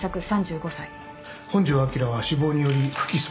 本庄昭は死亡により不起訴。